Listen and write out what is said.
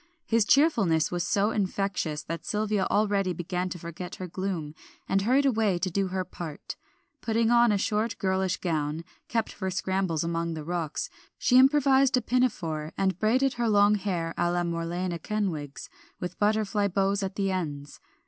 His cheerfulness was so infectious, that Sylvia already began to forget her gloom, and hurried away to do her part. Putting on a short, girlish gown, kept for scrambles among the rocks, she improvised a pinafore, and braided her long hair a la Morlena Kenwigs, with butterfly bows at the ends.